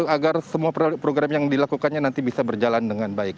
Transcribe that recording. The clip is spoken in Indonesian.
agar semua program yang dilakukannya nanti bisa berjalan dengan baik